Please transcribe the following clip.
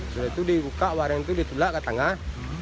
setelah itu dibuka warung itu ditulak ke tengah